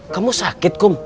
kamu sakit kum